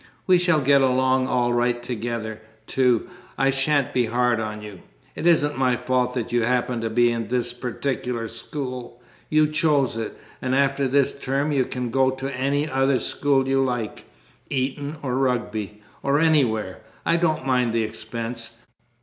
We shall get along all right together, too. I shan't be hard on you. It isn't my fault that you happen to be at this particular school you chose it! And after this term you can go to any other school you like Eton or Rugby, or anywhere. I don't mind the expense.